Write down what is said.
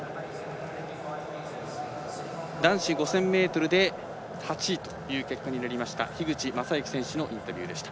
男子５０００ｍで８位という結果になりました樋口政幸選手のインタビューでした。